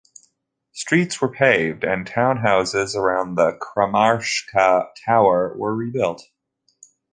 Streets were paved and town houses around the Kramarska Tower were rebuilt.